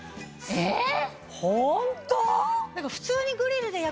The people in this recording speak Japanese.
えっ！